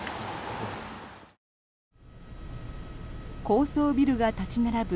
高層ビルが立ち並ぶ